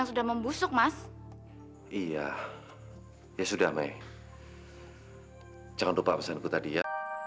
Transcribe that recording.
jangan lupa pesan ku tadi ya